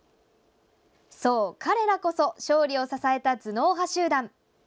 そう、彼らこそ勝利を支えた頭脳派集団！